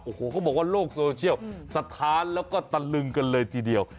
โอ้โหเขาบอกว่าโลกโซเชียลสะท้านแล้วก็ตะลึงกันเลยทีเดียว